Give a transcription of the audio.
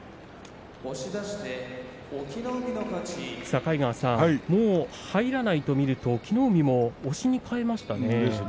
境川さん、もう入らないとみると隠岐の海も押しに変えましたね。